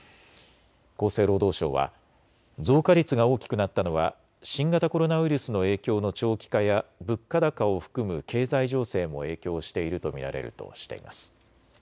厚生労働省は増加率が大きくなったのは新型コロナウイルスの影響の長期化や物価高を含む経済情勢も影響していると見られるとしています。